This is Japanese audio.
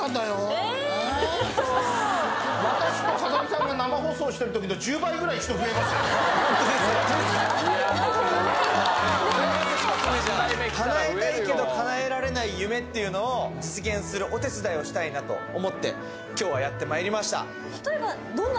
えーっウソ叶えたいけど叶えられない夢っていうのを実現するお手伝いをしたいなと思って今日はやってまいりました